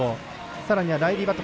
さらにはライリー・バット。